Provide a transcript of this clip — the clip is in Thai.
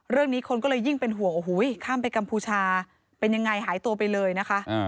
เรื่องนี้คนก็เลยยิ่งเป็นห่วงโอ้โหข้ามไปกัมพูชาเป็นยังไงหายตัวไปเลยนะคะ